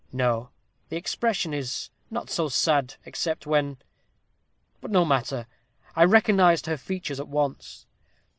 No the expression is not so sad, except when but no matter! I recognized her features at once.